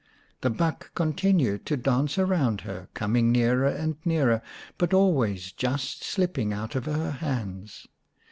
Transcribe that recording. The buck continued to dance around her, coming nearer and nearer, but always just slipping out of her hands.